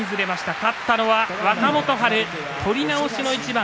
勝ったのは若元春取り直しの一番。